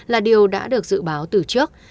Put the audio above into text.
là điều đã được dự báo từ trước